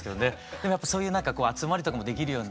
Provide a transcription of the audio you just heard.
でもやっぱそういう何かこう集まりとかもできるようになってね。